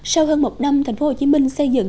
sau hơn một năm tp hcm xây dựng